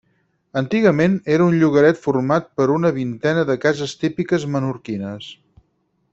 Antigament era un llogaret format per una vintena de cases típiques menorquines.